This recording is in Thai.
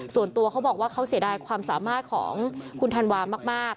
ส่วนตัวเขาบอกว่าเขาเสียดายความสามารถของคุณธันวามาก